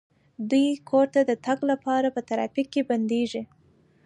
دوی کور ته د تګ لپاره په ترافیک کې بندیږي